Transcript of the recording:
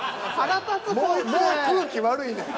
もう空気悪いねん。